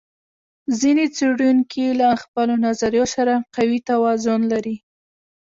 ځینې څېړونکي له خپلو نظرونو سره قوي توازن لري.